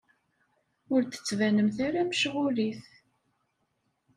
Ur d-tettbanemt ara mecɣulit.